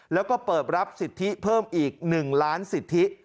แล้วก็เปิดรับสิทธิเพิ่มอีก๑ล้านสิทธิ